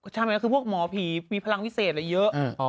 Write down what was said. ชาแมนก็คือพวกหมอผีมีพลังพิเศษแหละเยอะ